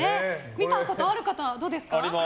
見たことある方、どうですか。